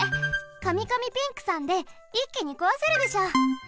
カミカミピンクさんでいっきにこわせるでしょ！